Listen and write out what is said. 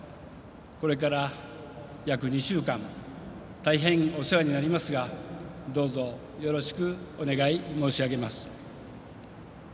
これから約２週間大変お世話になりますがどうぞよろしくお願い申し上げます。